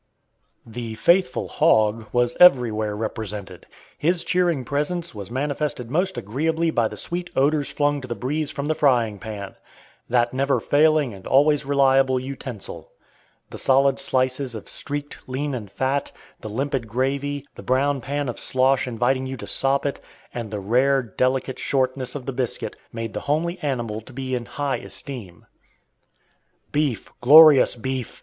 The faithful hog was everywhere represented. His cheering presence was manifested most agreeably by the sweet odors flung to the breeze from the frying pan, that never failing and always reliable utensil. The solid slices of streaked lean and fat, the limpid gravy, the brown pan of slosh inviting you to sop it, and the rare, delicate shortness of the biscuit, made the homely animal to be in high esteem. Beef, glorious beef!